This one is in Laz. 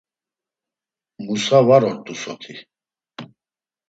Musa var ort̆u soti.